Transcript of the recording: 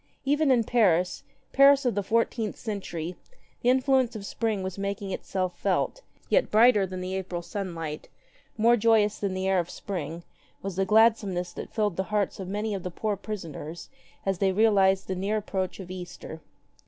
Even in Paris, Paris of the fourteenth century, the influence of Spring was making itself felt: yet brighter than the April sunlight, more joyous than the air of Spring, was the glad someness that filled the hearts of many of the poor prisoners as they realized the near approach of Easter.